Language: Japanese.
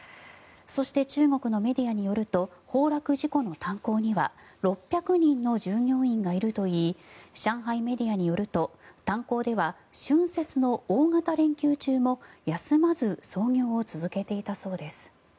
そして中国のメディアによると崩落事故の炭鉱には６００人の従業員がいるといい上海メディアによると炭鉱では春節の大型連休中も休まず操業を続けていたそうです。